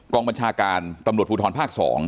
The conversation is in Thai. บัญชาการตำรวจภูทรภาค๒